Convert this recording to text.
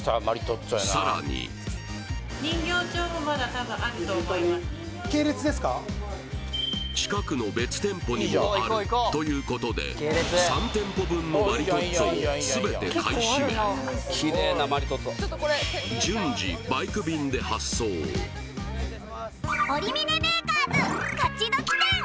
さらに近くの別店舗にもあるということで３店舗分のマリトッツォをすべて買い占め「オリミネベーカーズ勝どき店」